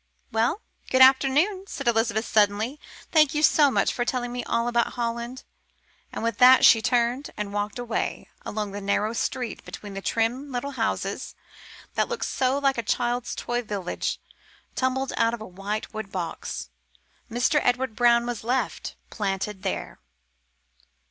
"Well, good afternoon," said Elizabeth suddenly. "Thank you so much for telling me all about Holland." And with that she turned and walked away along the narrow street between the trim little houses that look so like a child's toy village tumbled out of a white wood box. Mr. Edward Brown was left, planted there.